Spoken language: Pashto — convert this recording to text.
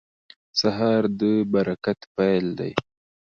سهار د برکت پیل دی.